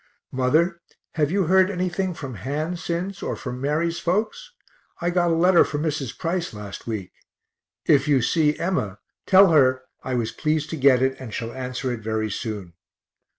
Mother, have you heard anything from Han since, or from Mary's folks? I got a letter from Mrs. Price last week; if you see Emma tell her I was pleased to get it, and shall answer it very soon.